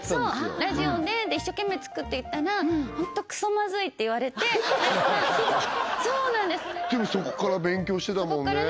ラジオでで一生懸命作っていったらホントクソまずいって言われてそうなんですでもそこから勉強してだもんね